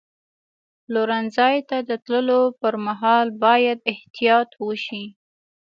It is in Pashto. پلورنځي ته د تللو پر مهال باید احتیاط وشي.